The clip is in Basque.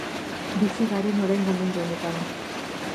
Bizi garen oraingo mundu honetan.